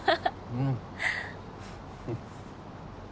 うん。